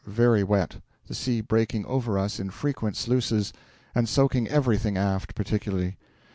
very wet, the sea breaking over us in frequent sluices, and soaking everything aft, particularly.